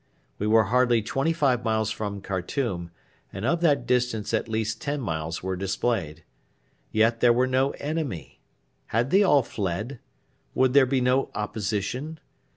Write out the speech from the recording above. We were hardly twenty five miles from Khartoum, and of that distance at least ten miles were displayed. Yet there were no enemy. Had they all fled? Would there be no opposition?